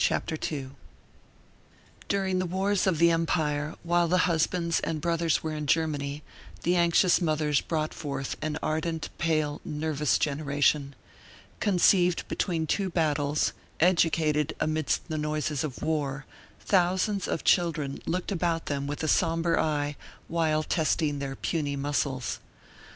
CHAPTER II DURING the wars of the Empire, while the husbands and brothers were in Germany, the anxious mothers brought forth an ardent, pale, nervous generation. Conceived between two battles, educated amidst the noises of war, thousands of children looked about them with a somber eye while testing their puny muscles.